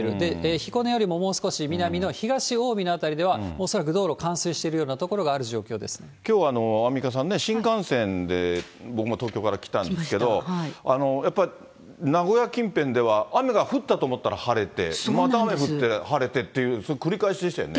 彦根よりももう少し南の東近江の辺りでは、恐らく道路、冠水しているような所、きょうはアンミカさんね、新幹線で僕も東京から来たんですけど、やっぱり名古屋近辺では、雨が降ったと思ったら晴れて、また雨降って晴れてっていう、繰り返しでしたよね。